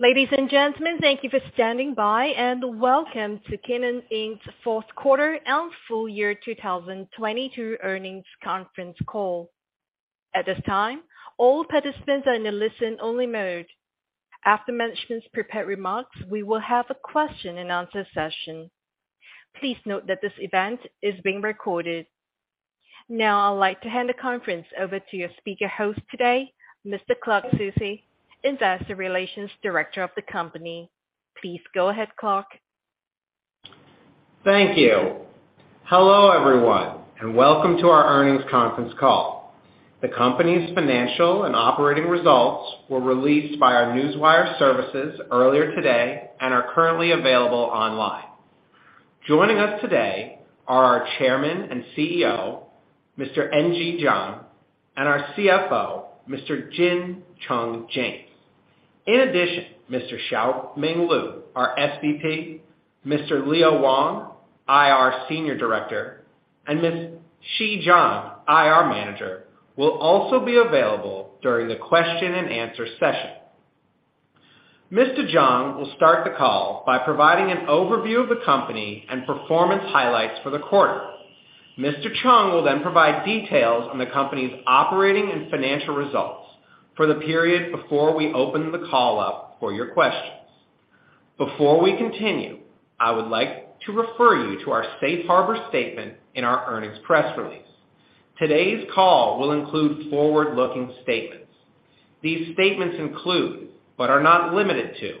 Ladies and gentlemen, thank you for standing by, and welcome to Canaan Inc.'s fourth quarter and full year 2022 earnings conference call. At this time, all participants are in a listen-only mode. After management's prepared remarks, we will have a question and answer session. Please note that this event is being recorded. Now I would like to hand the conference over to your speaker host today, Mr. Clark Soucy, Investor Relations Director of the company. Please go ahead, Clark. Thank you. Hello, everyone, and welcome to our earnings conference call. The company's financial and operating results were released by our Newswire services earlier today and are currently available online. Joining us today are our Chairman and CEO, Mr. Nangeng Zhang, and our CFO, Mr. James Jin Cheng. In addition, Mr. Xiaoming Lu, our SVP, Mr. Liang Wang, IR Senior Director, and Miss Xi Zhang, IR Manager, will also be available during the question and answer session. Mr. Zhang will start the call by providing an overview of the company and performance highlights for the quarter. Mr. Cheng will then provide details on the company's operating and financial results for the period before we open the call up for your questions. Before we continue, I would like to refer you to our safe harbor statement in our earnings press release. Today's call will include forward-looking statements. These statements include, but are not limited to,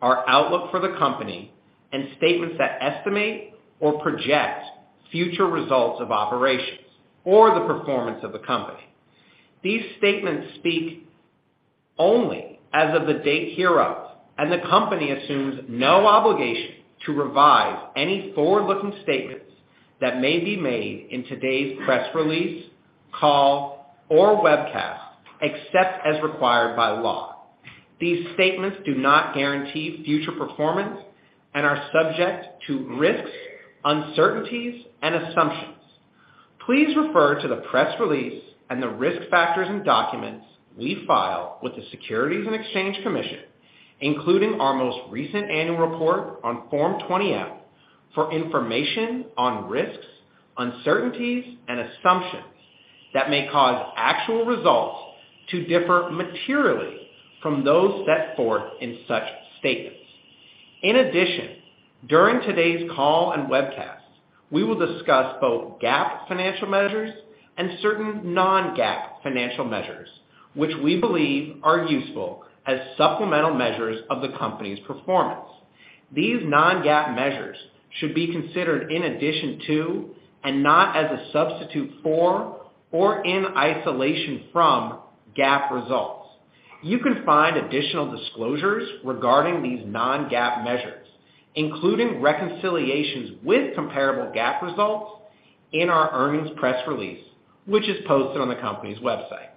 our outlook for the company and statements that estimate or project future results of operations or the performance of the company. These statements speak only as of the date hereof, and the company assumes no obligation to revise any forward-looking statements that may be made in today's press release, call, or webcast, except as required by law. These statements do not guarantee future performance and are subject to risks, uncertainties and assumptions. Please refer to the press release and the risk factors and documents we file with the Securities and Exchange Commission, including our most recent annual report on Form 20-F, for information on risks, uncertainties and assumptions that may cause actual results to differ materially from those set forth in such statements. In addition, during today's call and webcast, we will discuss both GAAP financial measures and certain non-GAAP financial measures, which we believe are useful as supplemental measures of the company's performance. These non-GAAP measures should be considered in addition to, and not as a substitute for, or in isolation from, GAAP results. You can find additional disclosures regarding these non-GAAP measures, including reconciliations with comparable GAAP results in our earnings press release, which is posted on the company's website.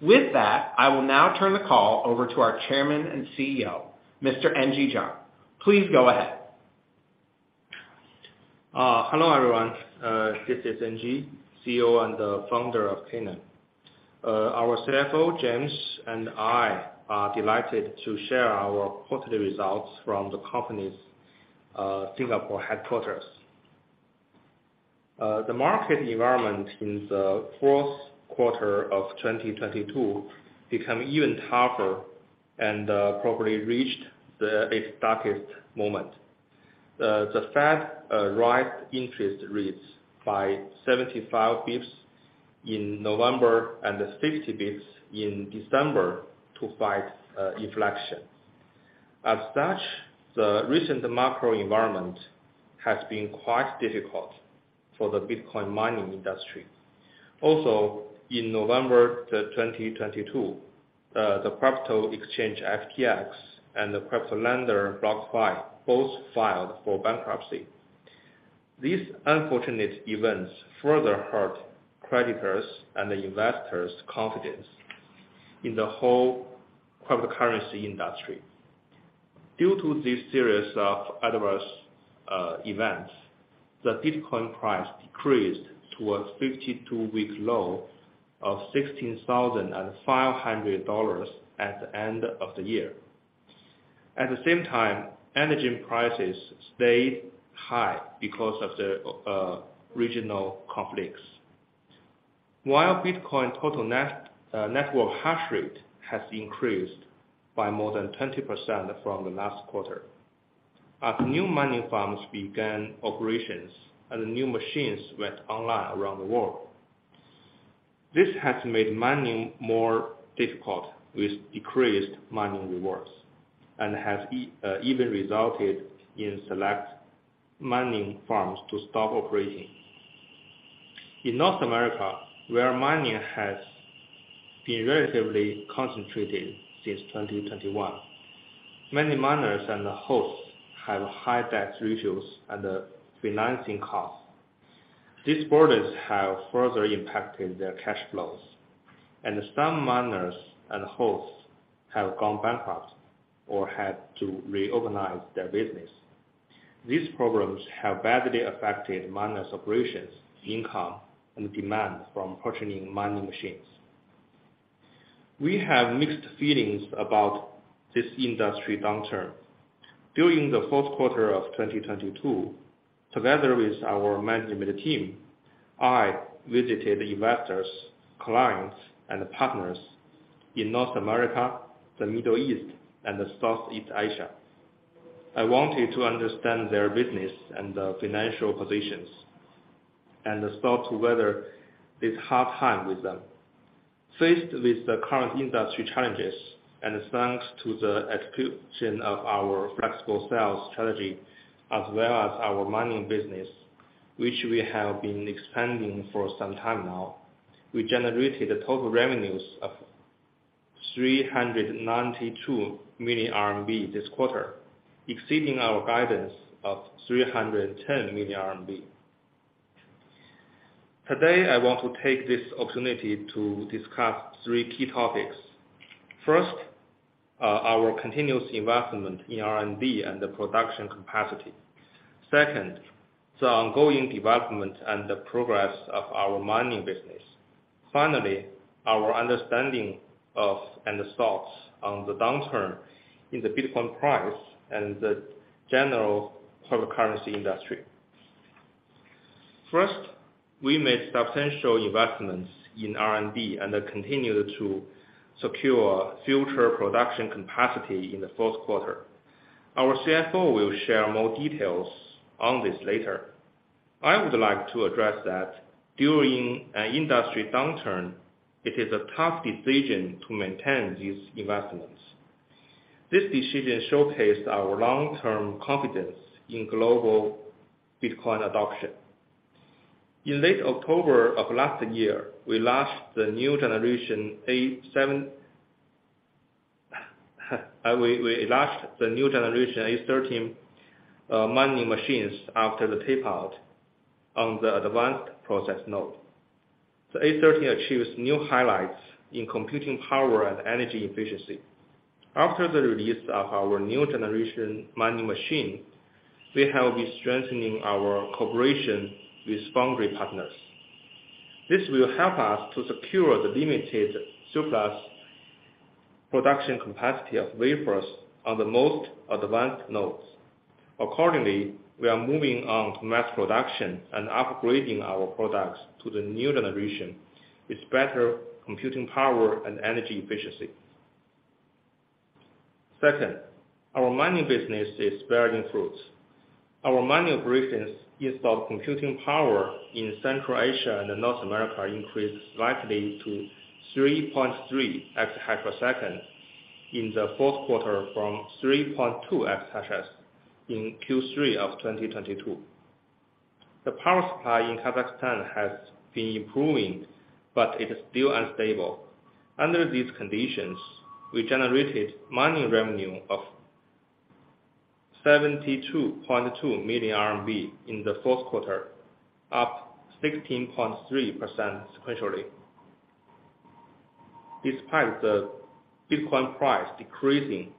With that, I will now turn the call over to our Chairman and CEO, Mr. Nangeng Zhang. Please go ahead. Hello, everyone. This is N.J., CEO and Founder of Canaan. Our CFO, James, and I are delighted to share our quarterly results from the company's Singapore headquarters. The market environment in the fourth quarter of 2022 become even tougher and probably reached its darkest moment. The Fed raised interest rates by 75 bps in November and 60 bps in December to fight inflation. As such, the recent macro environment has been quite difficult for the Bitcoin mining industry. Also, in November 2022, the crypto exchange FTX and the crypto lender BlockFi both filed for bankruptcy. These unfortunate events further hurt creditors' and investors' confidence in the whole cryptocurrency industry. Due to this series of adverse events, the Bitcoin price decreased to a 52-week low of $16,500 at the end of the year. At the same time, energy prices stayed high because of the regional conflicts. While Bitcoin total network hash rate has increased by more than 20% from the last quarter, as new mining farms began operations and new machines went online around the world, this has made mining more difficult with decreased mining rewards and has even resulted in select mining farms to stop operating. In North America, where mining has been relatively concentrated since 2021, many miners and hosts have high debt ratios and financing costs. These borders have further impacted their cash flows, and some miners and hosts have gone bankrupt or had to reorganize their business. These problems have badly affected miners' operations, income, and demand from purchasing mining machines. We have mixed feelings about this industry downturn. During the fourth quarter of 2022, together with our management team, I visited investors, clients, and partners in North America, the Middle East, and Southeast Asia. I wanted to understand their business and financial positions, and start to weather this hard time with them. Faced with the current industry challenges and thanks to the execution of our flexible sales strategy as well as our mining business, which we have been expanding for some time now, we generated total revenues of 392 million RMB this quarter, exceeding our guidance of 310 million RMB. Today, I want to take this opportunity to discuss three key topics. First, our continuous investment in R&D and the production capacity. Second, the ongoing development and the progress of our mining business. Finally, our understanding of, and thoughts on the downturn in the Bitcoin price and the general cryptocurrency industry. First, we made substantial investments in R&D and continued to secure future production capacity in the fourth quarter. Our CFO will share more details on this later. I would like to address that during an industry downturn, it is a tough decision to maintain these investments. This decision showcased our long-term confidence in global Bitcoin adoption. In late October of last year, we launched the new generation A13 mining machines after the tape-out on the advanced process node. The A13 achieves new highlights in computing power and energy efficiency. After the release of our new generation mining machine, we have been strengthening our cooperation with foundry partners. This will help us to secure the limited surplus production capacity of wafers on the most advanced nodes. Accordingly, we are moving on to mass production and upgrading our products to the new generation with better computing power and energy efficiency. Second, our mining business is bearing fruit. Our mining operations installed computing power in Central Asia and North America increased slightly to 3.3 exahash per second in the fourth quarter from 3.2 exahash in Q3 of 2022. The power supply in Kazakhstan has been improving, but it is still unstable. Under these conditions, we generated mining revenue of 72.2 million RMB in the fourth quarter, up 16.3% sequentially despite the Bitcoin price decreasing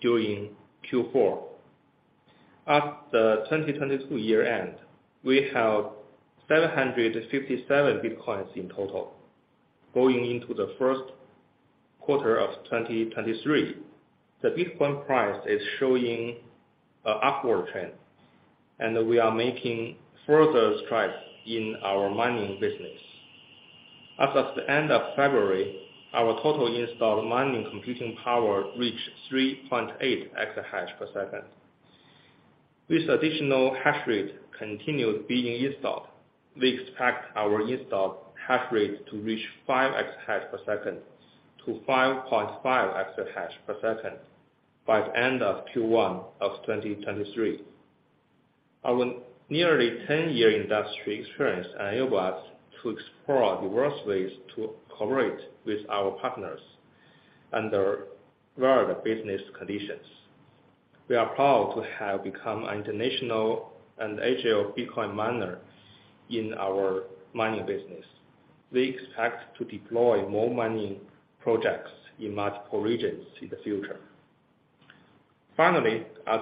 during Q4. At the 2022 year-end, we have 757 Bitcoins in total. Going into the first quarter of 2023, the Bitcoin price is showing a upward trend, we are making further strides in our mining business. As of the end of February, our total installed mining computing power reached 3.8 exahash per second. With additional hash rate continued being installed, we expect our installed hash rate to reach 5 exahash per second-5.5 exahash per second by the end of Q1 of 2023. Our nearly 10-year industry experience enable us to explore diverse ways to cooperate with our partners under varied business conditions. We are proud to have become international and Asia Bitcoin miner in our mining business. We expect to deploy more mining projects in multiple regions in the future. Finally, as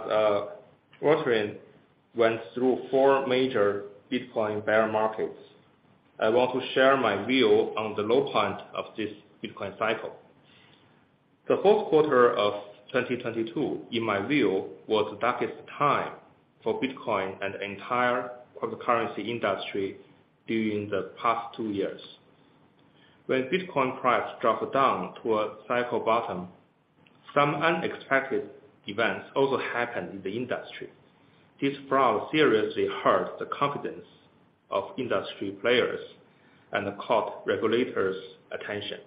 Bitmain went through four major Bitcoin bear markets, I want to share my view on the low point of this Bitcoin cycle. The fourth quarter of 2022, in my view, was the darkest time for Bitcoin and the entire cryptocurrency industry during the past two years. When Bitcoin price dropped down to a cycle bottom, some unexpected events also happened in the industry. This fraud seriously hurt the confidence of industry players and caught regulators' attention.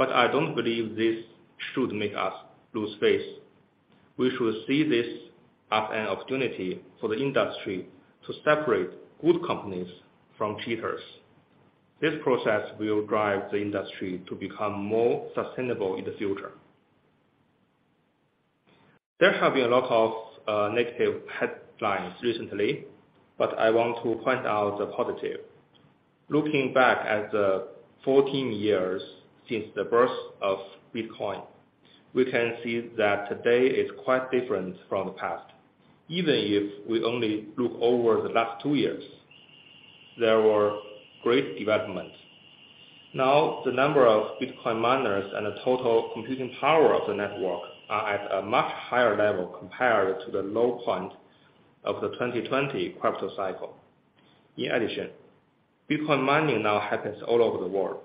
I don't believe this should make us lose faith. We should see this as an opportunity for the industry to separate good companies from cheaters. This process will drive the industry to become more sustainable in the future. There have been a lot of negative headlines recently, but I want to point out the positive. Looking back at the 14 years since the birth of Bitcoin, we can see that today is quite different from the past. Even if we only look over the last 2 years, there were great developments. Now, the number of Bitcoin miners and the total computing power of the network are at a much higher level compared to the low point of the 2020 crypto cycle. In addition, Bitcoin mining now happens all over the world.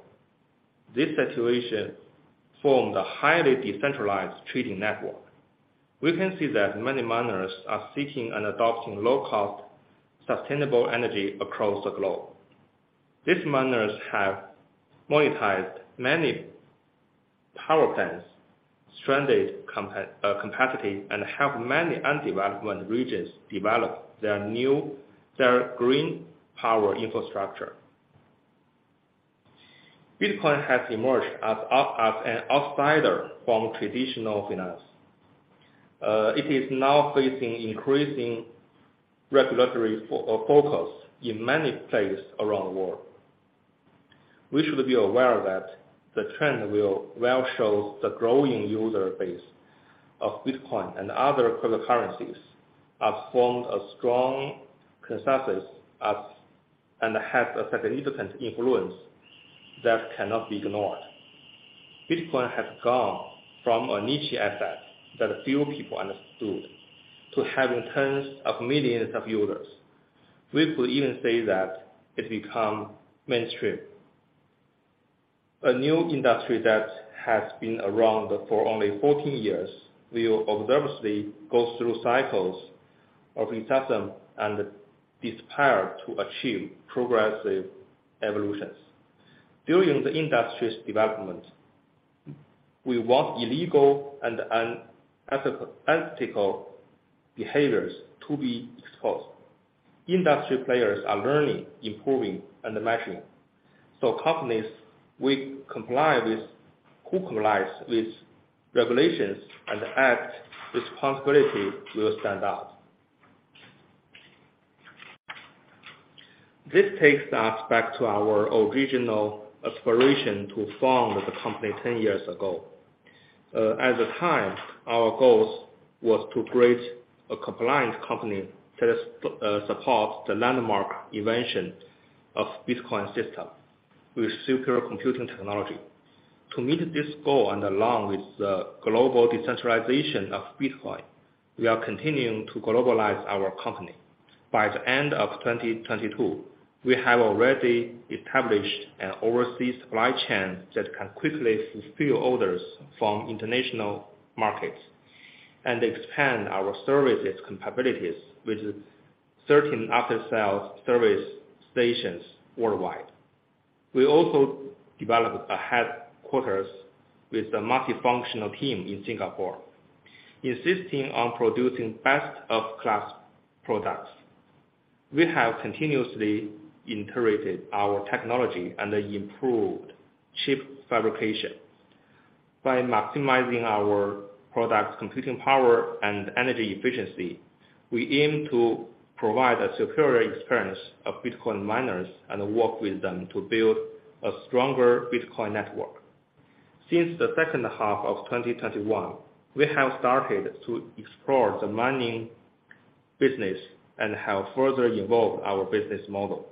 This situation formed a highly decentralized trading network. We can see that many miners are seeking and adopting low-cost, sustainable energy across the globe. These miners have monetized many power plants, stranded capacity, and helped many undeveloped regions develop their green power infrastructure. Bitcoin has emerged as an outsider from traditional finance. It is now facing increasing regulatory focus in many places around the world. We should be aware that the trend will show the growing user base of Bitcoin and other cryptocurrencies have formed a strong consensus and have a significant influence that cannot be ignored. Bitcoin has gone from a niche asset that a few people understood to having tens of millions of users. We could even say that it become mainstream. A new industry that has been around for only 14 years will obviously go through cycles of excitement and despair to achieve progressive evolutions. During the industry's development, we want illegal and unethical behaviors to be exposed. Industry players are learning, improving, and maturing. Companies, who complies with regulations and act responsibility will stand out. This takes us back to our original aspiration to found the company 10 years ago. At the time, our goals was to create a compliant company that supports the landmark invention of Bitcoin system with secure computing technology. To meet this goal and along with the global decentralization of Bitcoin, we are continuing to globalize our company. By the end of 2022, we have already established an overseas supply chain that can quickly fulfill orders from international markets and expand our services capabilities with certain after-sales service stations worldwide. We also developed a headquarters with a multifunctional team in Singapore, insisting on producing best-of-class products. We have continuously integrated our technology and improved chip fabrication. By maximizing our product's computing power and energy efficiency, we aim to provide a superior experience of Bitcoin miners and work with them to build a stronger Bitcoin network. Since the second half of 2021, we have started to explore the mining business and have further evolved our business model.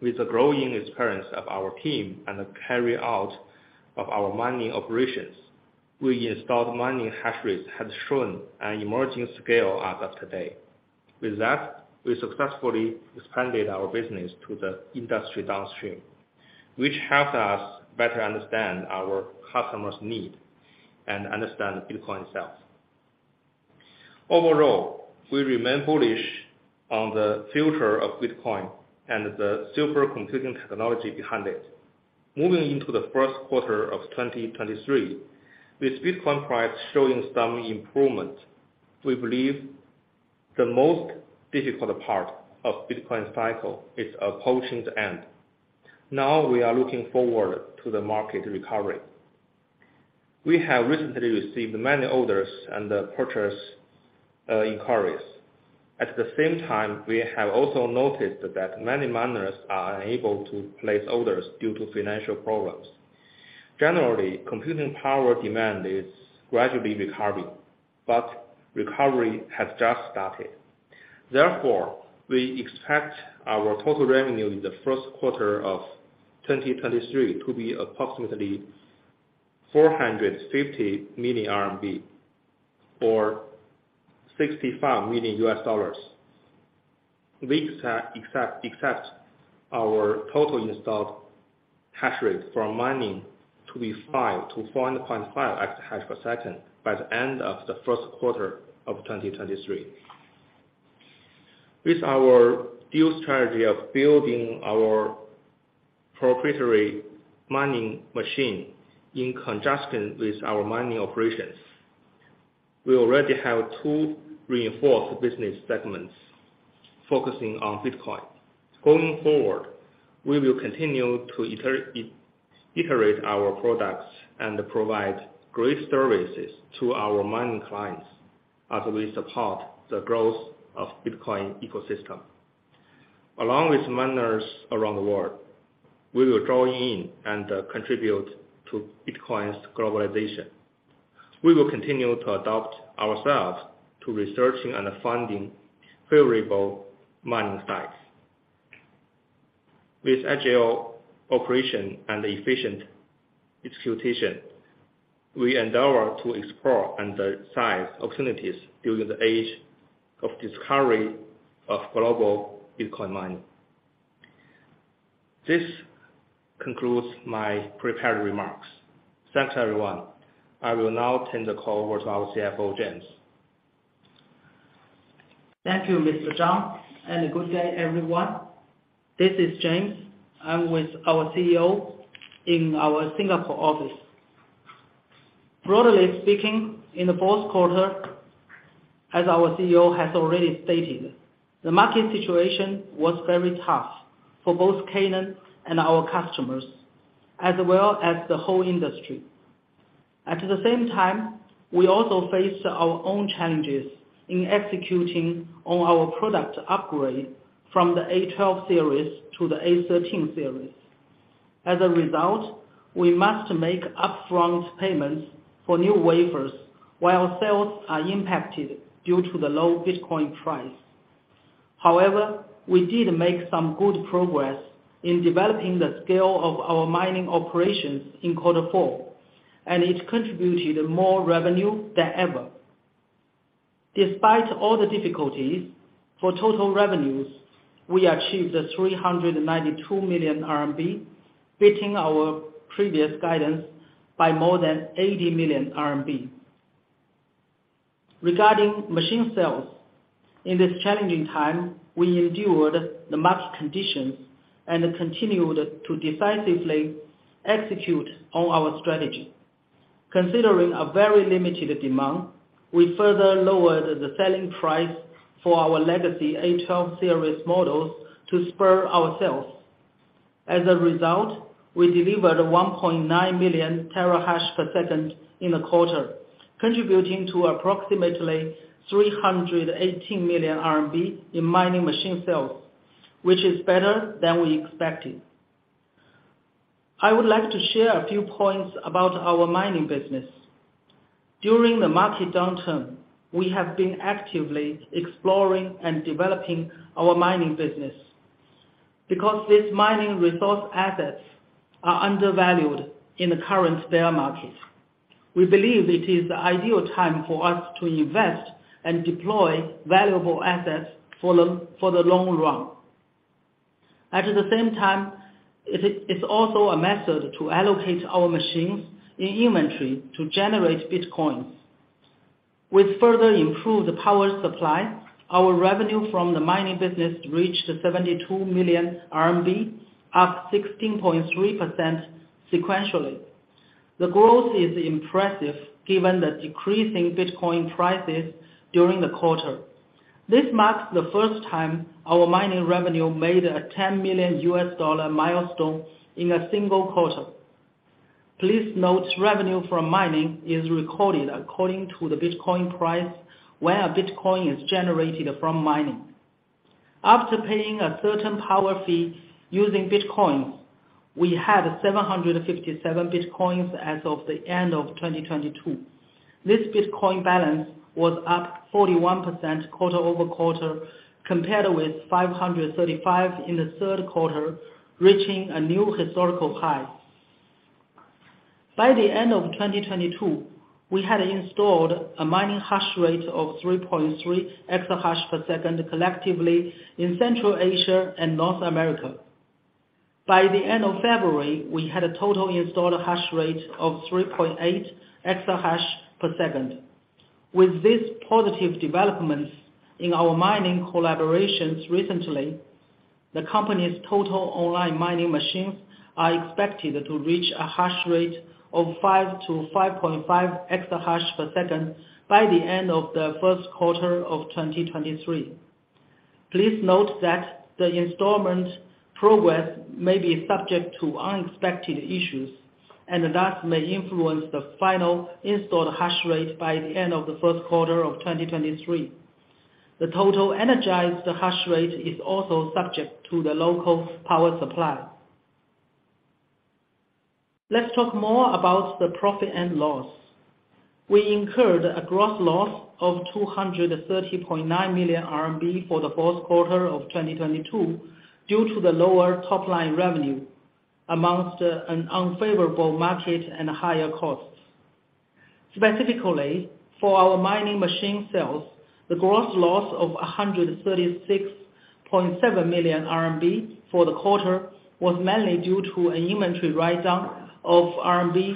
With the growing experience of our team and the carryout of our mining operations, we installed mining hash rates has shown an emerging scale as of today. With that, we successfully expanded our business to the industry downstream, which helps us better understand our customers' need and understand Bitcoin itself. Overall, we remain bullish on the future of Bitcoin and the super computing technology behind it. Moving into the first quarter of 2023, with Bitcoin price showing some improvement, we believe the most difficult part of Bitcoin cycle is approaching the end. Now, we are looking forward to the market recovery. We have recently received many orders and purchase inquiries. At the same time, we have also noticed that many miners are unable to place orders due to financial problems. Generally, computing power demand is gradually recovering, but recovery has just started. We expect our total revenue in the first quarter of 2023 to be approximately 450 million RMB or $65 million. We expect our total installed hash rate from mining to be 5-4.5 exahash per second by the end of the first quarter of 2023. With our new strategy of building our proprietary mining machine in conjunction with our mining operations, we already have two reinforced business segments focusing on Bitcoin. Going forward, we will continue to Iterate our products and provide great services to our mining clients as we support the growth of Bitcoin ecosystem. Along with miners around the world, we will join in and contribute to Bitcoin's globalization. We will continue to adapt ourselves to researching and finding favorable mining sites. With agile operation and efficient execution, we endeavor to explore and size opportunities during the age of discovery of global Bitcoin mining. This concludes my prepared remarks. Thanks, everyone. I will now turn the call over to our CFO, James. Thank you, Mr. Zhang. Good day, everyone. This is James. I'm with our CEO in our Singapore office. Broadly speaking, in the fourth quarter, as our CEO has already stated, the market situation was very tough for both Canaan and our customers, as well as the whole industry. At the same time, we also faced our own challenges in executing on our product upgrade from the A12 series to the A13 series. As a result, we must make upfront payments for new wafers while sales are impacted due to the low Bitcoin price. However, we did make some good progress in developing the scale of our mining operations in quarter four, and it contributed more revenue than ever. Despite all the difficulties, for total revenues, we achieved 392 million RMB, beating our previous guidance by more than 80 million RMB. Regarding machine sales, in this challenging time, we endured the market conditions and continued to decisively execute on our strategy. Considering a very limited demand, we further lowered the selling price for our legacy A12 series models to spur our sales. As a result, we delivered 1.9 million terahash per second in the quarter, contributing to approximately 318 million RMB in mining machine sales, which is better than we expected. I would like to share a few points about our mining business. During the market downturn, we have been actively exploring and developing our mining business because these mining resource assets are undervalued in the current bear market. We believe it is the ideal time for us to invest and deploy valuable assets for the long run. At the same time, it's also a method to allocate our machines in inventory to generate Bitcoin. With further improved power supply, our revenue from the mining business reached 72 million RMB, up 16.3% sequentially. The growth is impressive given the decreasing Bitcoin prices during the quarter. This marks the first time our mining revenue made a $10 million milestone in a single quarter. Please note revenue from mining is recorded according to the Bitcoin price when a Bitcoin is generated from mining. After paying a certain power fee using Bitcoin, we had 757 Bitcoins as of the end of 2022. This Bitcoin balance was up 41% quarter-over-quarter compared with 535 in the third quarter, reaching a new historical high. By the end of 2022, we had installed a mining hash rate of 3.3 exahash per second collectively in Central Asia and North America. By the end of February, we had a total installed hash rate of 3.8 exahash per second. With these positive developments in our mining collaborations recently, the company's total online mining machines are expected to reach a hash rate of 5-5.5 exahash per second by the end of the first quarter of 2023. Please note that the installment progress may be subject to unexpected issues, and thus may influence the final installed hash rate by the end of the first quarter of 2023. The total energized hash rate is also subject to the local power supply. Let's talk more about the profit and loss. We incurred a gross loss of 230.9 million RMB for the fourth quarter of 2022 due to the lower top-line revenue amongst an unfavorable market and higher costs. Specifically, for our mining machine sales, the gross loss of 136.7 million RMB for the quarter was mainly due to an inventory write-down of RMB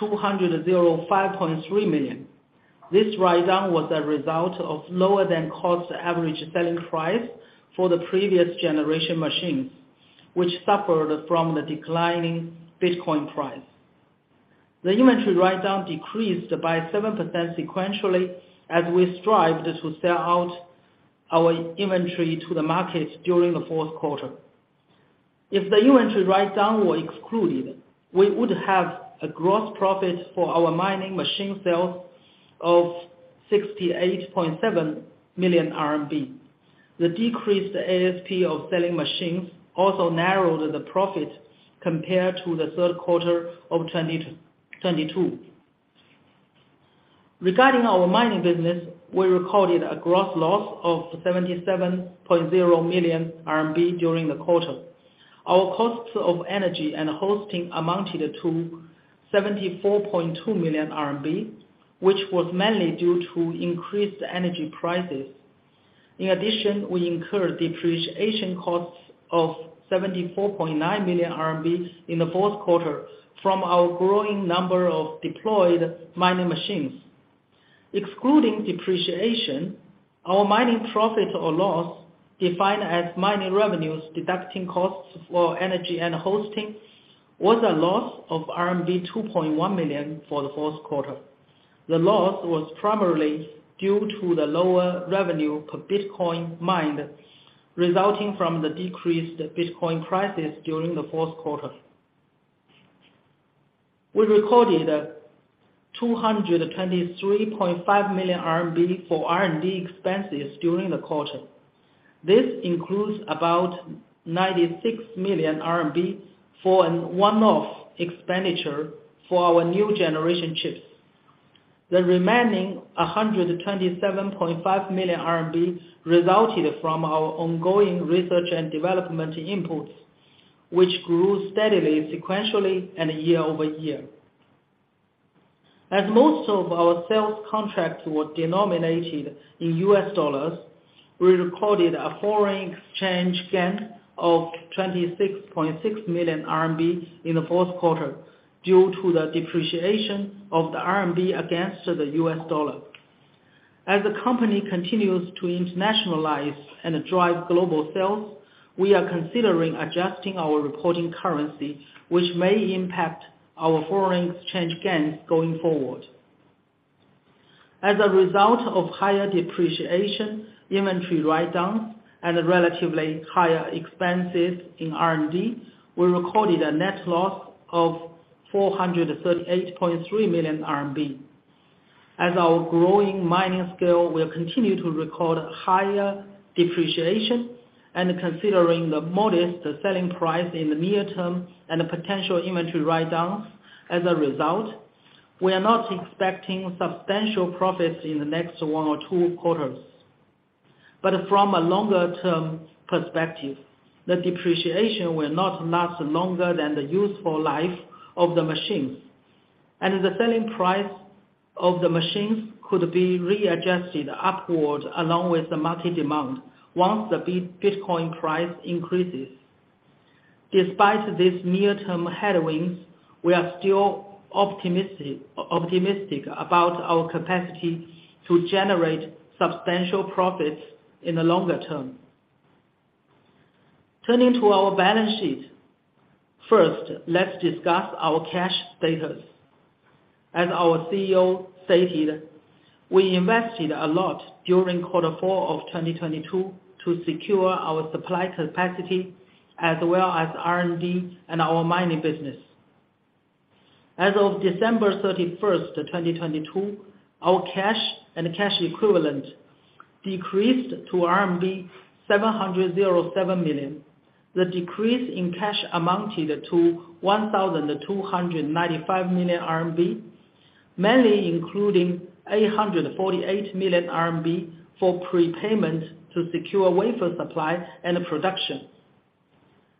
205.3 million. This write-down was a result of lower than cost average selling price for the previous generation machines, which suffered from the declining Bitcoin price. The inventory write-down decreased by 7% sequentially as we strived to sell out our inventory to the market during the fourth quarter. If the inventory write-down were excluded, we would have a gross profit for our mining machine sales of 68.7 million RMB. The decreased ASP of selling machines also narrowed the profit compared to the third quarter of 2022. Regarding our mining business, we recorded a gross loss of 77.0 million RMB during the quarter. Our costs of energy and hosting amounted to 74.2 million RMB, which was mainly due to increased energy prices. In addition, we incurred depreciation costs of 74.9 million RMB in the fourth quarter from our growing number of deployed mining machines. Excluding depreciation, our mining profit or loss defined as mining revenues deducting costs for energy and hosting, was a loss of RMB 2.1 million for the fourth quarter. The loss was primarily due to the lower revenue per Bitcoin mined, resulting from the decreased Bitcoin prices during the fourth quarter. We recorded 223.5 million RMB for R&D expenses during the quarter. This includes about 96 million RMB for an one-off expenditure for our new generation chips. The remaining 127.5 million RMB resulted from our ongoing research and development inputs, which grew steadily, sequentially and year-over-year. Most of our sales contracts were denominated in US dollars, we recorded a foreign exchange gain of 26.6 million RMB in the fourth quarter due to the depreciation of the RMB against the US dollar. The company continues to internationalize and drive global sales, we are considering adjusting our reporting currency, which may impact our foreign exchange gains going forward. A result of higher depreciation, inventory write-downs, and relatively higher expenses in R&D, we recorded a net loss of 438.3 million RMB. As our growing mining scale will continue to record higher depreciation and considering the modest selling price in the near-term and the potential inventory write-downs as a result, we are not expecting substantial profits in the next one or two quarters. From a longer-term perspective, the depreciation will not last longer than the useful life of the machines. The selling price of the machines could be readjusted upward along with the market demand once the Bitcoin price increases. Despite these near-term headwinds, we are still optimistic about our capacity to generate substantial profits in the longer-term. Turning to our balance sheet. First, let's discuss our cash status. As our CEO stated, we invested a lot during quarter four of 2022 to secure our supply capacity as well as R&D and our mining business. As of December 31st, 2022, our cash and cash equivalent decreased to RMB 7,007 million. The decrease in cash amounted to 1,295 million RMB, mainly including 848 million RMB for prepayment to secure wafer supply and production.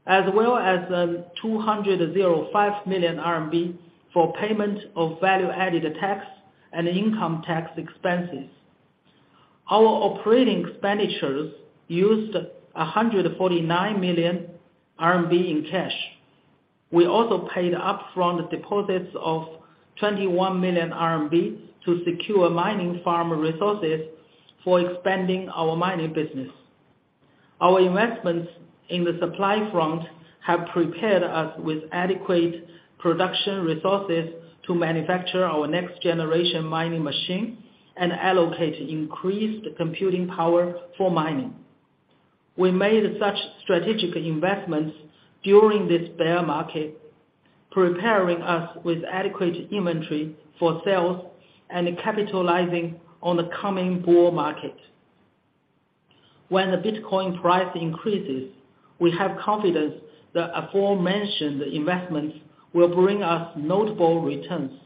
205 million RMB for payment of value-added tax and income tax expenses. Our operating expenditures used 149 million RMB in cash. We also paid upfront deposits of 21 million RMB to secure mining farm resources for expanding our mining business. Our investments in the supply front have prepared us with adequate production resources to manufacture our next generation mining machine and allocate increased computing power for mining. We made such strategic investments during this bear market, preparing us with adequate inventory for sales and capitalizing on the coming bull market. When the Bitcoin price increases, we have confidence the aforementioned investments will bring us notable returns.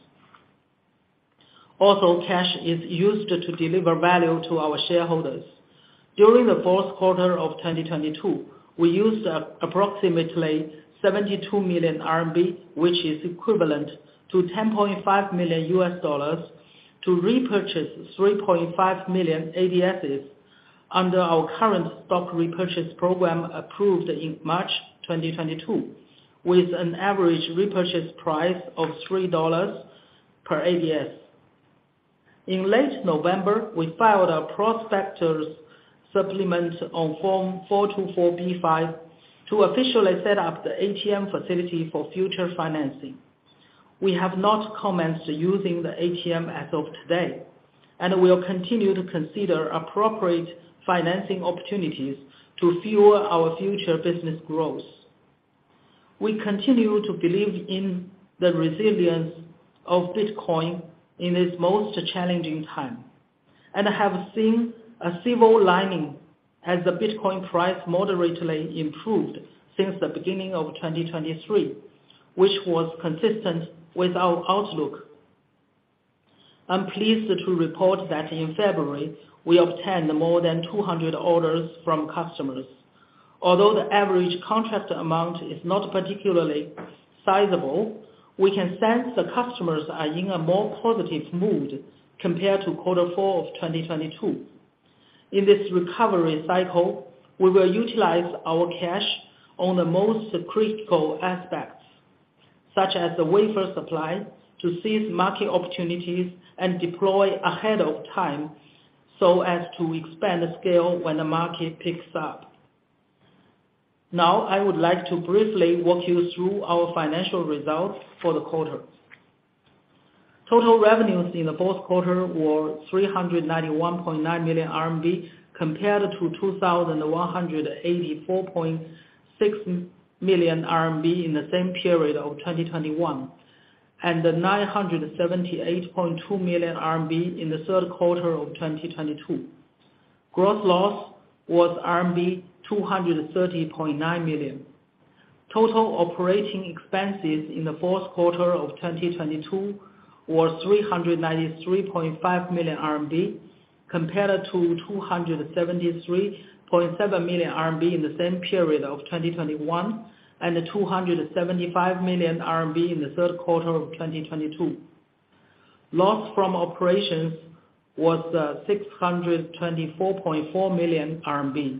Cash is used to deliver value to our shareholders. During the fourth quarter of 2022, we used approximately 72 million RMB, which is equivalent to $10.5 million, to repurchase 3.5 million ADSs under our current stock repurchase program approved in March 2022, with an average repurchase price of $3 per ADS. In late November, we filed a prospectus supplement on Form 424B5 to officially set up the ATM facility for future financing. We have not commenced using the ATM as of today, and we'll continue to consider appropriate financing opportunities to fuel our future business growth. We continue to believe in the resilience of Bitcoin in this most challenging time, and have seen a silver lining as the Bitcoin price moderately improved since the beginning of 2023, which was consistent with our outlook. I'm pleased to report that in February, we obtained more than 200 orders from customers. Although the average contract amount is not particularly sizable, we can sense the customers are in a more positive mood compared to quarter four of 2022. In this recovery cycle, we will utilize our cash on the most critical aspects, such as the wafer supply, to seize market opportunities and deploy ahead of time so as to expand the scale when the market picks up. Now, I would like to briefly walk you through our financial results for the quarter. Total revenues in the fourth quarter were 391.9 million RMB compared to 2,184.6 million RMB in the same period of 2021, and 978.2 million RMB in the third quarter of 2022. Gross loss was RMB 230.9 million. Total operating expenses in the fourth quarter of 2022 were 393.5 million RMB compared to 273.7 million RMB in the same period of 2021, and 275 million RMB in the third quarter of 2022. Loss from operations was 624.4 million RMB.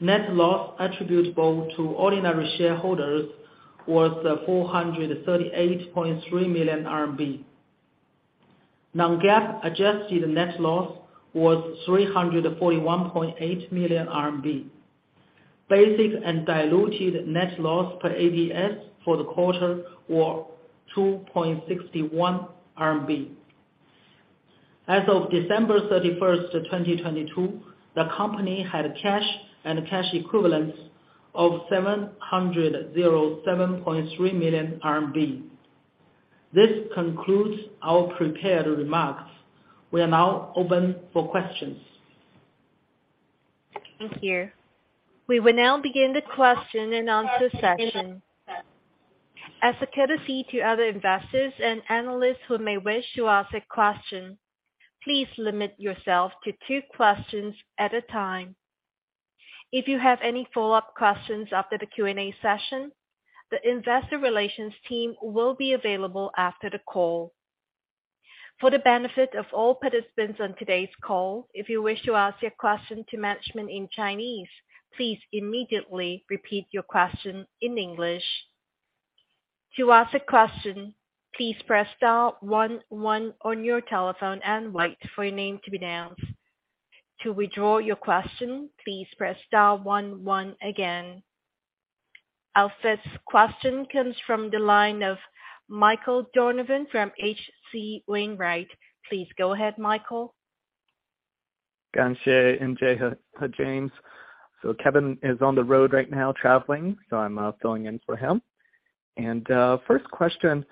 Net loss attributable to ordinary shareholders was 438.3 million RMB. Non-GAAP adjusted net loss was 341.8 million RMB. Basic and diluted net loss per ADS for the quarter were 2.61 RMB. As of December 31st, 2022, the company had cash and cash equivalents of 707.3 million RMB. This concludes our prepared remarks. We are now open for questions. Thank you. We will now begin the question-and-answer session. As a courtesy to other investors and analysts who may wish to ask a question, please limit yourself to two questions at a time. If you have any follow-up questions after the Q&A session, the investor relations team will be available after the call. For the benefit of all participants on today's call, if you wish to ask your question to management in Chinese, please immediately repeat your question in English. To ask a question, please press star one one on your telephone and wait for your name to be announced. To withdraw your question, please press star one one again. Our first question comes from the line of Michael Donovan from H.C. Wainwright. Please go ahead, Michael. James. Kevin is on the road right now traveling, I'm filling in for him. First question,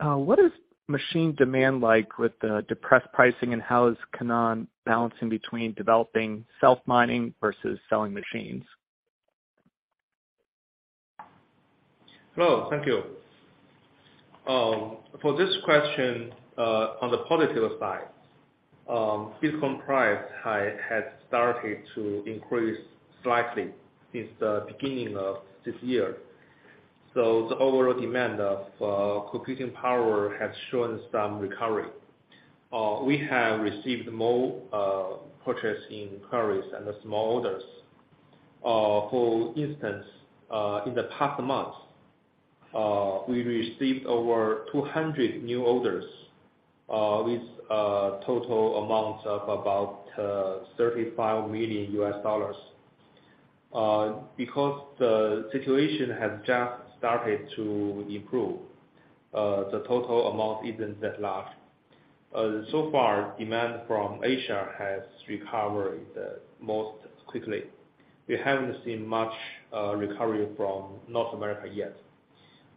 what is machine demand like with the depressed pricing, and how is Canaan balancing between developing self-mining versus selling machines? Hello. Thank you. For this question, on the positive side, Bitcoin price has started to increase slightly since the beginning of this year. The overall demand of computing power has shown some recovery. We have received more purchasing queries and the small orders. For instance, in the past month, we received over 200 new orders with a total amount of about $35 million. Because the situation has just started to improve, the total amount isn't that large. So far, demand from Asia has recovered most quickly. We haven't seen much recovery from North America yet.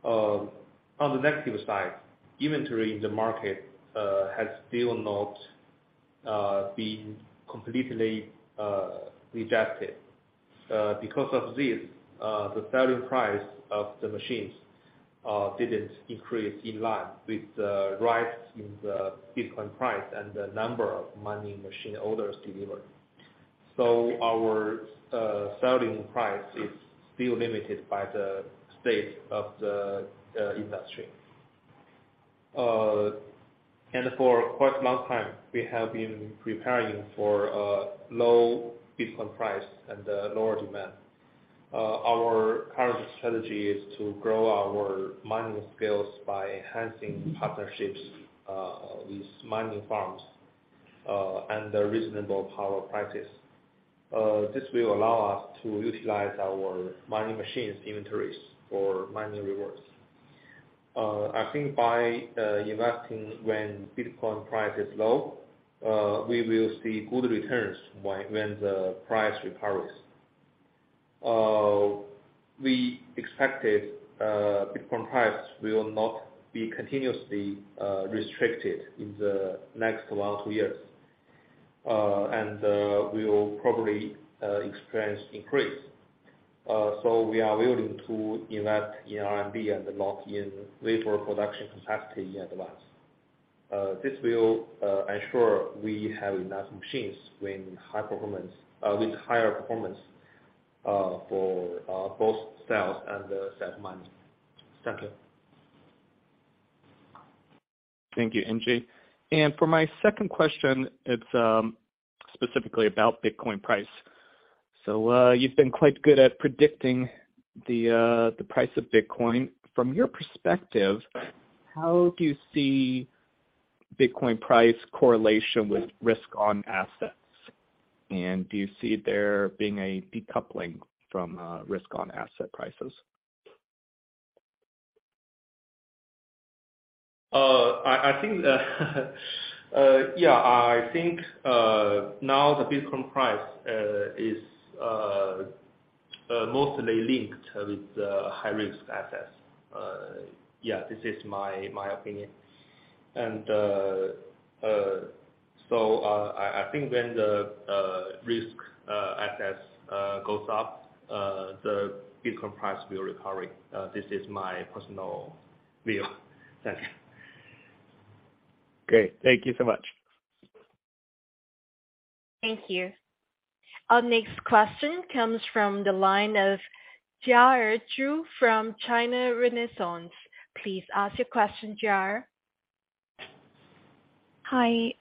On the negative side, inventory in the market has still not been completely rejected. Because of this, the selling price of the machines didn't increase in line with the rise in the Bitcoin price and the number of mining machine orders delivered. Our selling price is still limited by the state of the industry. For quite a long time, we have been preparing for a low Bitcoin price and a lower demand. Our current strategy is to grow our mining skills by enhancing partnerships with mining farms and the reasonable power prices. This will allow us to utilize our mining machines inventories for mining rewards. I think by investing when Bitcoin price is low, we will see good returns when the price recovers. We expected Bitcoin price will not be continuously restricted in the next one, two years. We will probably experience increase. We are willing to invest in RMB and lock in wafer production capacity in advance. This will ensure we have enough machines with higher performance for both sales and self-mining. Thank you. Thank you, N.J. For my second question, it's specifically about Bitcoin price. You've been quite good at predicting the price of Bitcoin. From your perspective, how do you see Bitcoin price correlation with risk on assets? Do you see there being a decoupling from risk on asset prices? I think, now the Bitcoin price is mostly linked with the high-risk assets. This is my opinion. So, I think when the risk assets goes up, the Bitcoin price will recover. This is my personal view. Thank you. Great. Thank you so much. Thank you. Our next question comes from the line of Jiaer Zhu from China Renaissance. Please ask your question, Jiaer. Hi.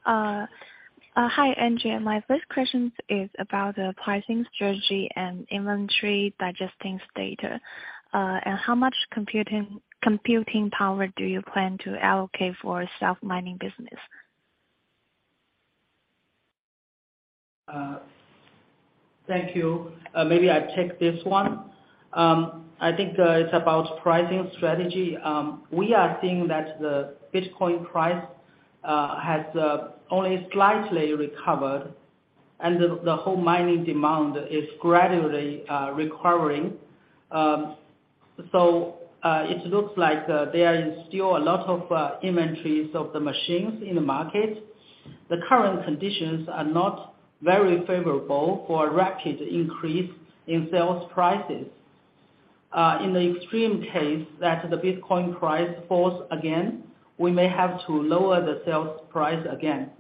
Hi, N.J. My first question is about the pricing strategy and inventory digesting data. How much computing power do you plan to allocate for self-mining business? Thank you. Maybe I take this one. I think it's about pricing strategy. We are seeing that the Bitcoin price has only slightly recovered, and the whole mining demand is gradually recovering. It looks like there is still a lot of inventories of the machines in the market. The current conditions are not very favorable for a rapid increase in sales prices. In the extreme case that the Bitcoin price falls again, we may have to lower the sales price again.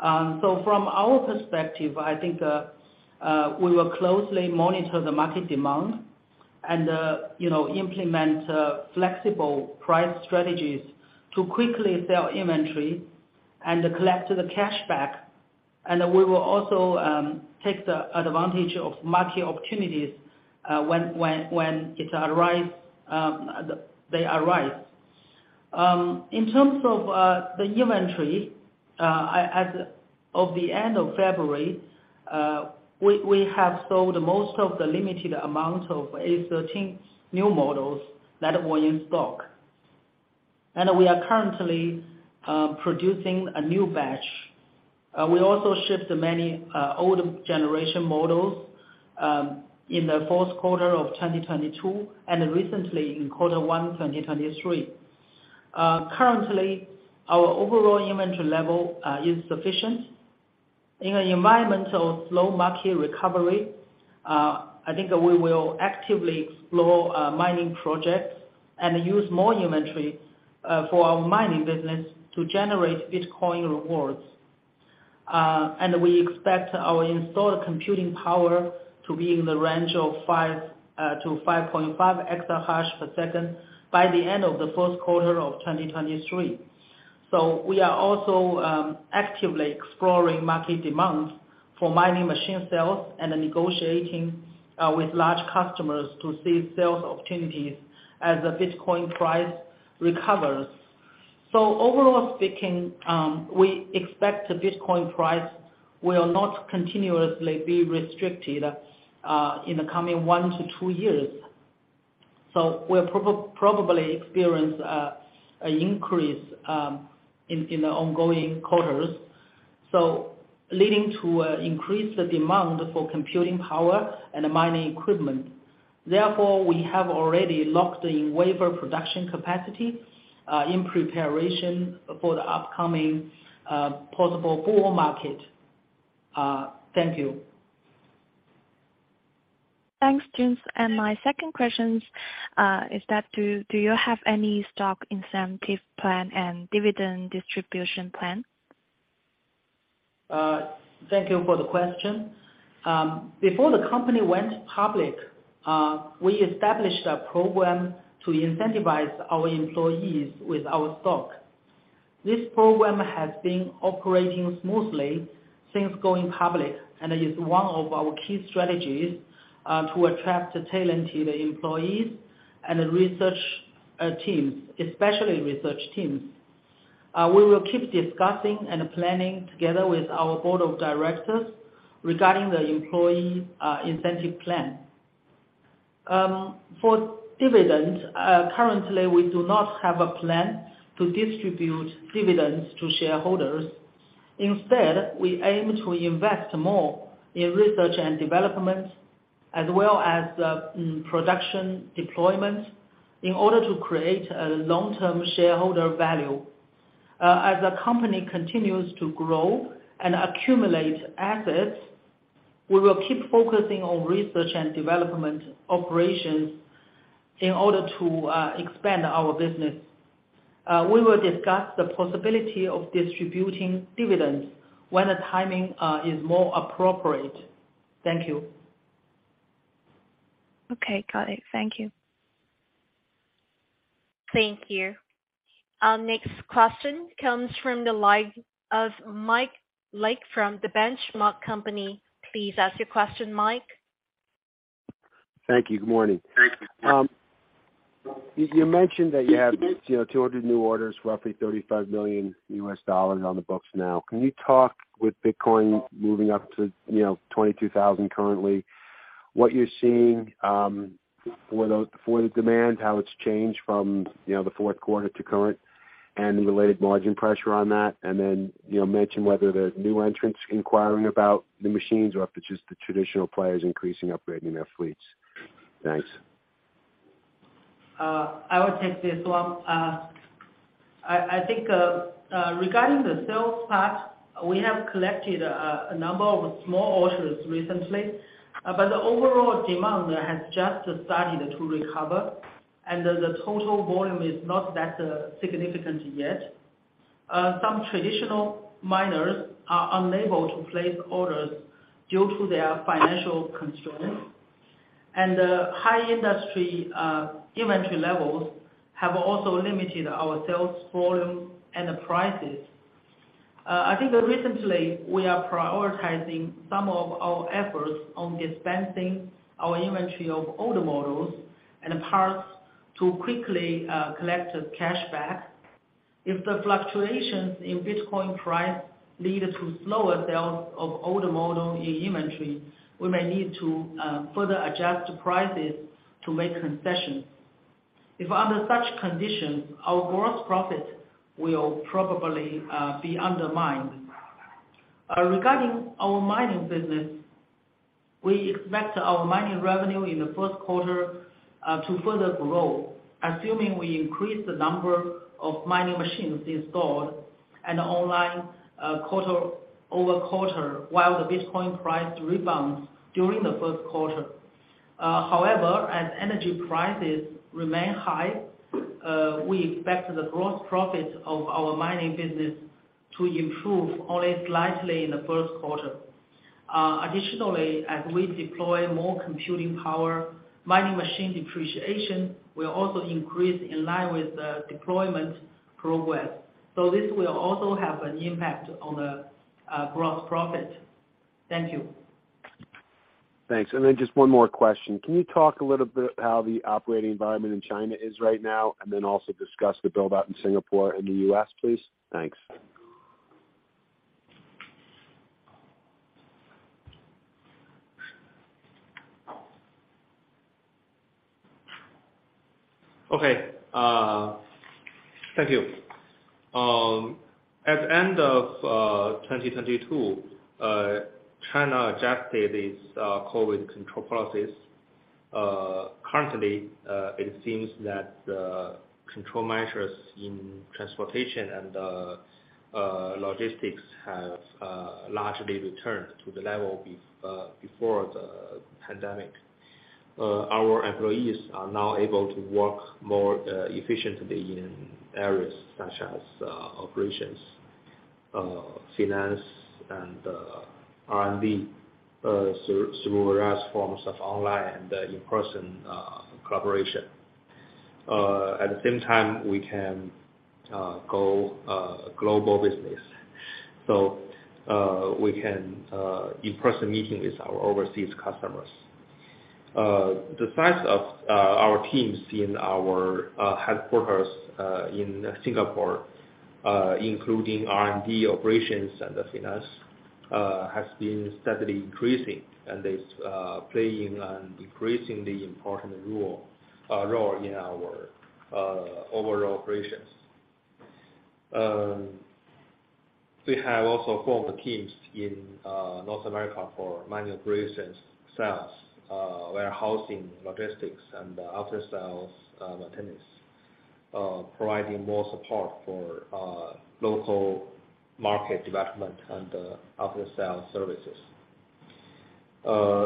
From our perspective, I think we will closely monitor the market demand and, you know, implement flexible price strategies to quickly sell inventory and collect the cash back. We will also take the advantage of market opportunities when they arise. In terms of the inventory, as of the end of February, we have sold most of the limited amount of A13 new models that were in stock. We are currently producing a new batch. We also shipped many older generation models in the fourth quarter of 2022, and recently in quarter one 2023. Currently, our overall inventory level is sufficient. In an environment of slow market recovery, I think we will actively explore mining projects and use more inventory for our mining business to generate Bitcoin rewards. We expect our installed computing power to be in the range of 5-5.5 exahash per second by the end of the first quarter of 2023. We are also actively exploring market demand for mining machine sales and negotiating with large customers to seize sales opportunities as the Bitcoin price recovers. Overall speaking, we expect the Bitcoin price will not continuously be restricted in the coming one to two years. We'll probably experience an increase in the ongoing quarters, so leading to an increased demand for computing power and mining equipment. Therefore, we have already locked in wafer production capacity in preparation for the upcoming possible bull market. Thank you. Thanks, James. My second question is that do you have any stock incentive plan and dividend distribution plan? Thank you for the question. Before the company went public, we established a program to incentivize our employees with our stock. This program has been operating smoothly since going public, and is one of our key strategies to attract talented employees and research teams, especially research teams. We will keep discussing and planning together with our board of directors regarding the employee incentive plan. For dividends, currently, we do not have a plan to distribute dividends to shareholders. Instead, we aim to invest more in research and development as well as production deployment in order to create a long-term shareholder value. As the company continues to grow and accumulate assets, we will keep focusing on research and development operations in order to expand our business. We will discuss the possibility of distributing dividends when the timing is more appropriate. Thank you. Okay. Got it. Thank you. Thank you. Our next question comes from the line of Mike Legg from The Benchmark Company. Please ask your question, Mike. Thank you. Good morning. Thank you. You mentioned that you have, you know, 200 new orders, roughly $35 million on the books now. Can you talk with Bitcoin moving up to, you know, 22,000 currently, what you're seeing for the demand, how it's changed from, you know, the fourth quarter to current, and the related margin pressure on that? Then, you know, mention whether there are new entrants inquiring about the machines or if it's just the traditional players increasing, upgrading their fleets. Thanks. I will take this one. I think regarding the sales part, we have collected a number of small orders recently, but the overall demand has just started to recover, and the total volume is not that significant yet. Some traditional miners are unable to place orders due to their financial constraints. The high industry inventory levels have also limited our sales volume and the prices. I think recently we are prioritizing some of our efforts on dispensing our inventory of older models and parts to quickly collect cash back. If the fluctuations in Bitcoin price lead to slower sales of older model in inventory, we may need to further adjust prices to make concessions. If under such conditions, our gross profit will probably be undermined. Regarding our mining business, we expect our mining revenue in the first quarter to further grow, assuming we increase the number of mining machines installed and online quarter-over-quarter, while the Bitcoin price rebounds during the first quarter. However, as energy prices remain high, we expect the gross profit of our mining business to improve only slightly in the first quarter. Additionally, as we deploy more computing power, mining machine depreciation will also increase in line with the deployment progress. This will also have an impact on the gross profit. Thank you. Thanks. Just one more question. Can you talk a little bit how the operating environment in China is right now, also discuss the build-out in Singapore and the U.S., please? Thanks. Okay. Thank you. At the end of 2022, China adjusted its COVID control policies. Currently, it seems that the control measures in transportation and logistics have largely returned to the level before the pandemic. Our employees are now able to work more efficiently in areas such as operations, finance and R&D, through various forms of online and in-person collaboration. At the same time, we can go global business. We can in-person meeting with our overseas customers. The size of our teams in our headquarters in Singapore, including R&D operations and the finance, has been steadily increasing and is playing an increasingly important role in our overall operations. We have also formed teams in North America for mining operations, sales, warehousing, logistics and after-sales maintenance, providing more support for local market development and after-sales services.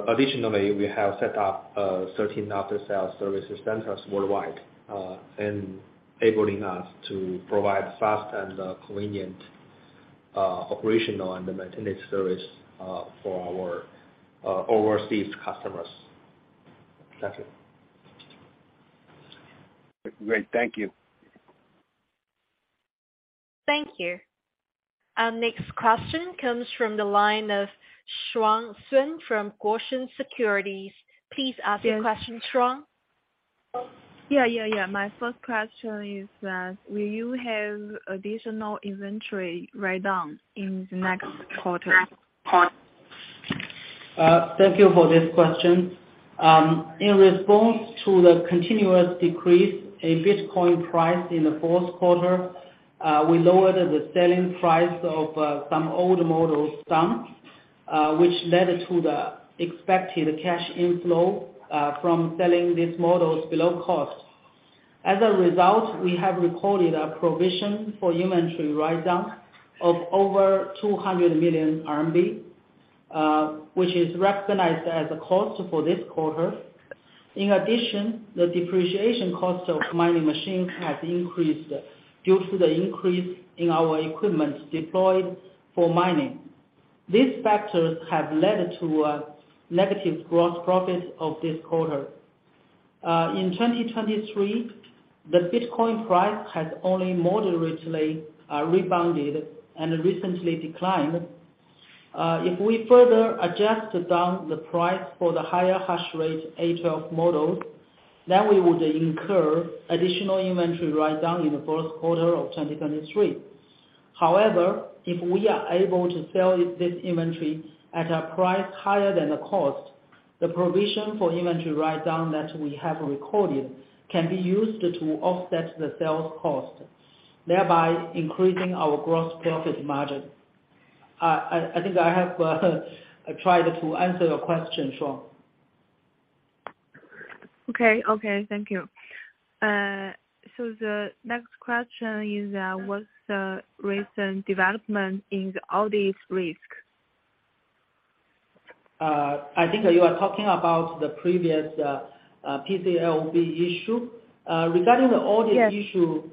Additionally, we have set up 13 after-sales services centers worldwide, enabling us to provide fast and convenient operational and maintenance service for our overseas customers. Thank you. Great. Thank you. Thank you. Our next question comes from the line of Shuang Sun from Guosheng Securities. Please ask your question, Shuang. Yeah, yeah. My first question is that will you have additional inventory write-down in the next quarter? Thank you for this question. In response to the continuous decrease in Bitcoin price in the fourth quarter, we lowered the selling price of some old models, which led to the expected cash inflow from selling these models below cost. As a result, we have recorded a provision for inventory write-down of over 200 million RMB, which is recognized as a cost for this quarter. In addition, the depreciation cost of mining machines has increased due to the increase in our equipment deployed for mining. These factors have led to a negative gross profit of this quarter. In 2023, the Bitcoin price has only moderately rebounded and recently declined. If we further adjust down the price for the higher hash rate A12 models, then we would incur additional inventory write-down in the first quarter of 2023. However, if we are able to sell this inventory at a price higher than the cost, the provision for inventory write-down that we have recorded can be used to offset the sales cost, thereby increasing our gross profit margin. I think I have tried to answer your question, Shuang. Okay. Okay. Thank you. The next question is, what's the recent development in the audit risk? I think you are talking about the previous PCAOB issue. Regarding the. Yes. issue,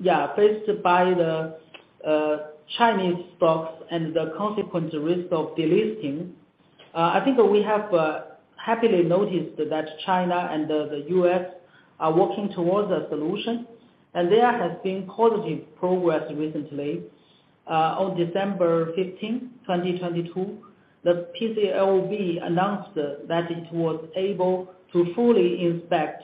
yeah, faced by the Chinese stocks and the consequent risk of delisting, I think we have happily noticed that China and the U.S. are working towards a solution, and there has been positive progress recently. On December 15th, 2022, the PCAOB announced that it was able to fully inspect,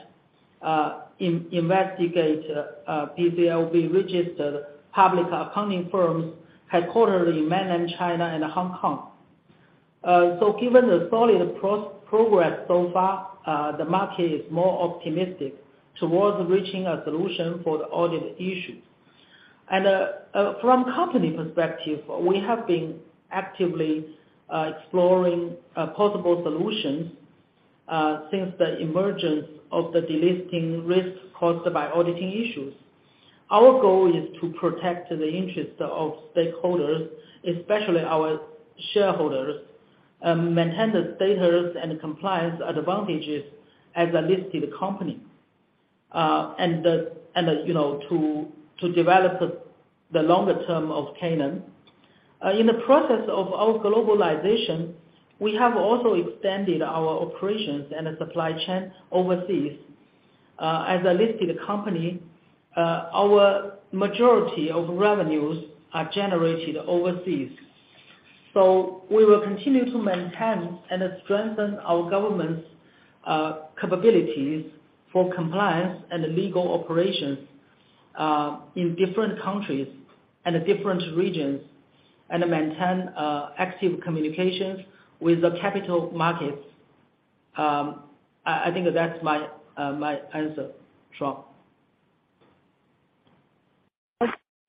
investigate PCAOB-registered public accounting firms headquartered in Mainland China and Hong Kong. Given the solid progress so far, the market is more optimistic towards reaching a solution for the audit issue. From company perspective, we have been actively exploring possible solutions since the emergence of the delisting risk caused by auditing issues. Our goal is to protect the interests of stakeholders, especially our shareholders, maintain the status and compliance advantages as a listed company. You know, to develop the longer-term of Canaan. In the process of our globalization, we have also extended our operations and the supply chain overseas. As a listed company, our majority of revenues are generated overseas. We will continue to maintain and strengthen our government's capabilities for compliance and legal operations in different countries and different regions and maintain active communications with the capital markets. I think that's my answer, Shuang.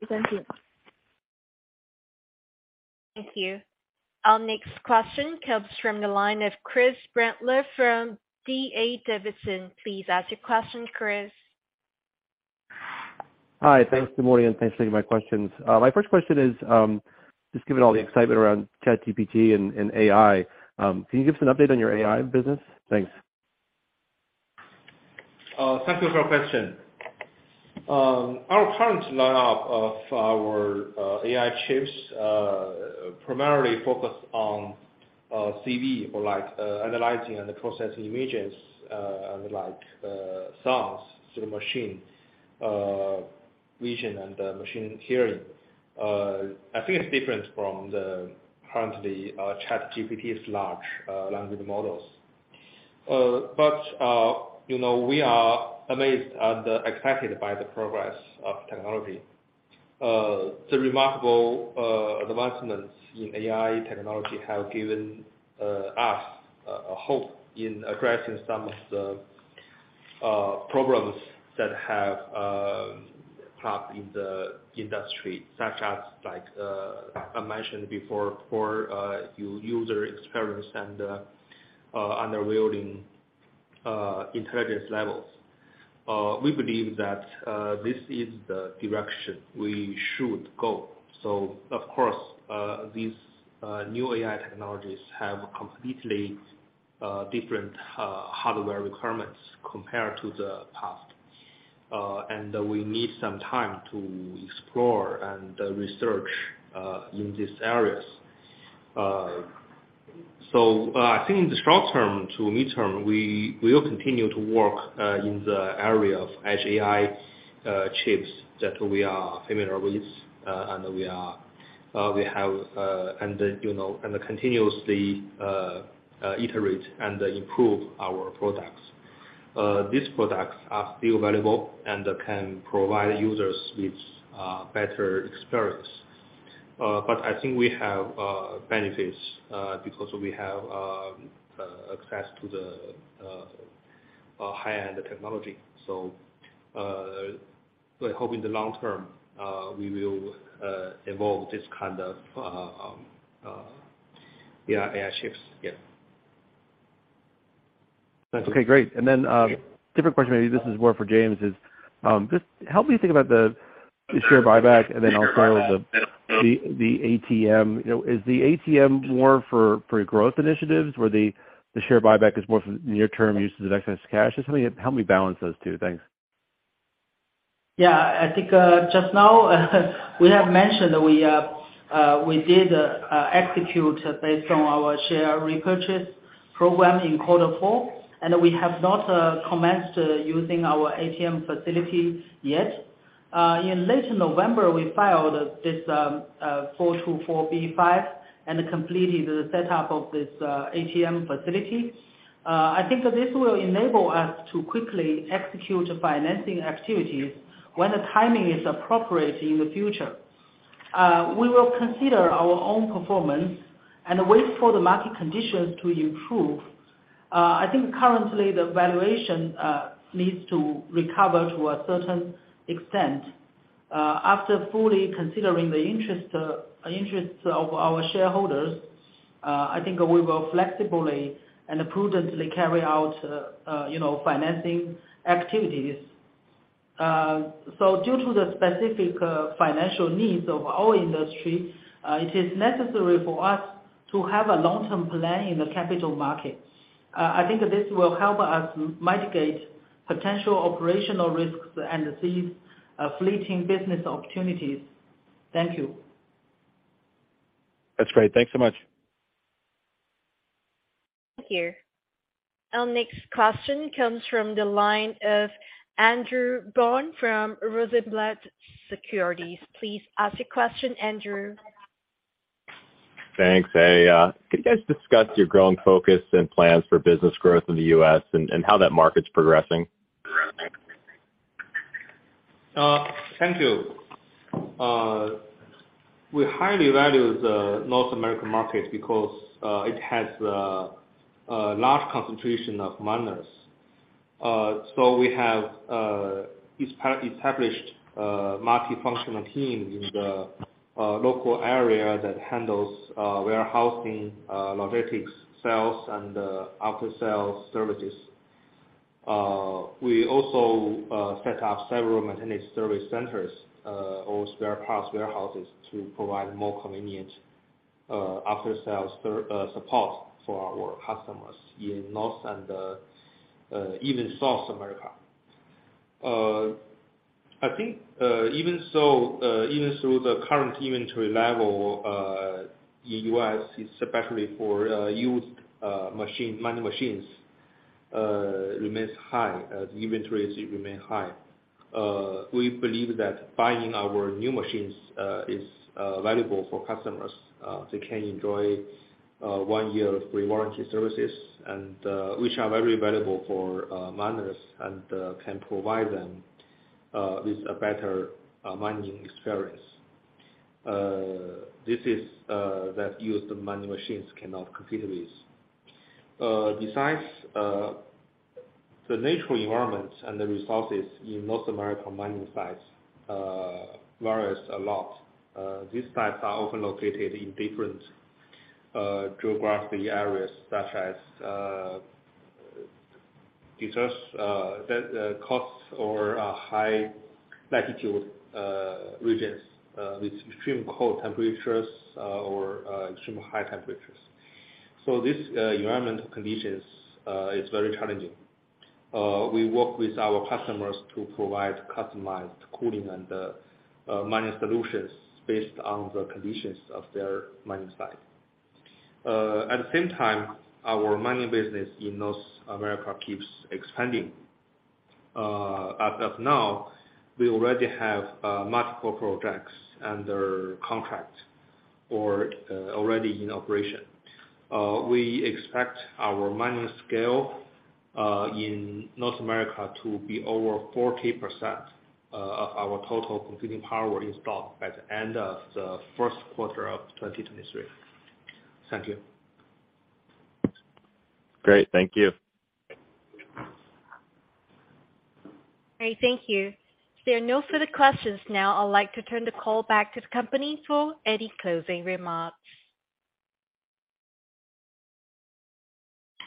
Thank you. Thank you. Our next question comes from the line of Chris Brendler from D.A. Davidson. Please ask your question, Chris. Hi. Thanks. Good morning, and thanks for taking my questions. My first question is, just given all the excitement around ChatGPT and AI, can you give us an update on your AI business? Thanks. Thank you for your question. Our current lineup of our AI chips primarily focus on CV for like analyzing and processing images and like sounds. The machine vision and the machine hearing. I think it's different from the currently ChatGPT's large language models. But, you know, we are amazed and excited by the progress of technology. The remarkable advancements in AI technology have given us a hope in addressing some of the problems that have cropped in the industry, such a We need some time to explore and research in these areas. I think in the short-term to mid-term, we will continue to work in the area of AI chips that we are familiar with, and we are, we have, and, you know, and continuously iterate and improve our products. These products are still valuable and can provide users with better experience. I think we have benefits because we have access to the high-end technology. We're hoping the long-term, we will evolve this kind of AI chips. Okay, great. Different question. Maybe this is more for James. Is, just help me think about the share buyback and then also the ATM. You know, is the ATM more for growth initiatives or the share buyback is more for near-term uses of excess cash? Just help me, help me balance those two. Thanks. Yeah. I think, just now we have mentioned we did execute based on our share repurchase program in quarter four, and we have not commenced using our ATM facility yet. In late November, we filed this Form 424B5, and completed the setup of this ATM facility. I think this will enable us to quickly execute financing activities when the timing is appropriate in the future. We will consider our own performance and wait for the market conditions to improve. I think currently the valuation needs to recover to a certain extent. After fully considering the interest of our shareholders, I think we will flexibly and prudently carry out, you know, financing activities. Due to the specific financial needs of our industry, it is necessary for us to have a long-term plan in the capital market. I think this will help us mitigate potential operational risks and seize fleeting business opportunities. Thank you. That's great. Thanks so much. Thank you. Our next question comes from the line of Andrew Bond from Rosenblatt Securities. Please ask your question, Andrew. Thanks. Hey, could you guys discuss your growing focus and plans for business growth in the US and how that market's progressing? Thank you. We highly value the North American market because it has a large concentration of miners. We have established a multifunctional team in the local area that handles warehousing, logistics, sales and after-sales services. We also set up several maintenance service centers or spare parts warehouses to provide more convenient after-sales support for our customers in North and even South America. I think even so the current inventory level in U.S., especially for used mining machines, remains high, the inventories remain high. We believe that buying our new machines is valuable for customers. They can enjoy one year of free warranty services, and which are very valuable for miners and can provide them with a better mining experience. This is that used mining machines cannot compete with. Besides the natural environments and the resources in North American mining sites varies a lot. These sites are often located in different geographic areas such as deserts that cause or high latitude regions with extreme cold temperatures or extreme high temperatures. This environmental conditions is very challenging. We work with our customers to provide customized cooling and mining solutions based on the conditions of their mining site. At the same time, our mining business in North America keeps expanding. As of now, we already have multiple projects under contract or already in operation. We expect our mining scale in North America to be over 40% of our total computing power installed by the end of the first quarter of 2023. Thank you. Great. Thank you. All right. Thank you. There are no further questions. I'd like to turn the call back to the company for any closing remarks.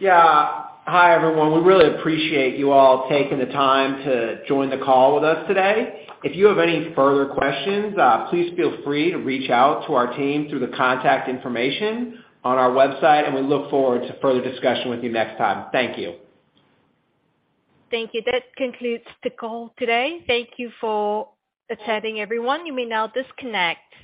Hi, everyone. We really appreciate you all taking the time to join the call with us today. If you have any further questions, please feel free to reach out to our team through the contact information on our website. We look forward to further discussion with you next time. Thank you. Thank you. That concludes the call today. Thank you for attending everyone. You may now disconnect.